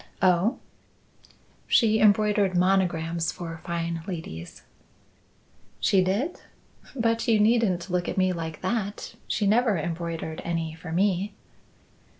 "Oh!" "She embroidered monograms for fine ladies." "She did? But you needn't look at me like that. She never embroidered any for me."